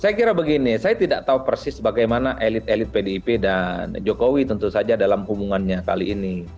saya kira begini saya tidak tahu persis bagaimana elit elit pdip dan jokowi tentu saja dalam hubungannya kali ini